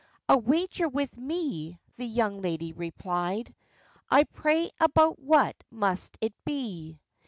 'A wager with me,' the young lady replied, 'I pray about what must it be?